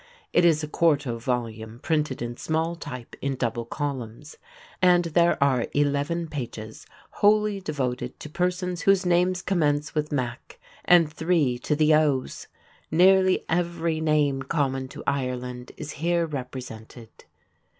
It is a quarto volume printed in small type in double columns, and there are eleven pages wholly devoted to persons whose names commence with "Mac" and three to the "O's." Nearly every name common to Ireland is here represented.